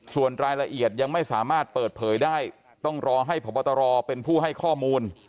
ส่วนรายละเอียดยังไม่สามารถเปิดเผยได้ต้องรอให้พบตรเป็นผู้ให้ข้อมูล